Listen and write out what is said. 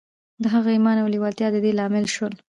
د هغه ايمان او لېوالتیا د دې لامل شول.